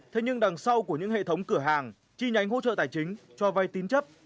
thế nhưng đằng sau của những hệ thống cửa hàng chi nhánh hỗ trợ tài chính cho vay tín chấp